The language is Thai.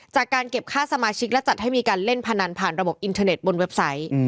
จากการเก็บค่าสมาชิกและจัดให้มีการเล่นพนันผ่านระบบอินเทอร์เน็ตบนเว็บไซต์